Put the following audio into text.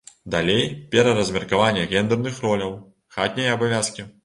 Далей, пераразмеркаванне гендэрных роляў, хатнія абавязкі.